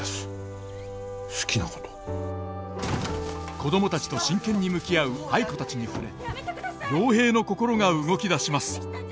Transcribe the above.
子供たちと真剣に向き合う藍子たちに触れ陽平の心が動き出します。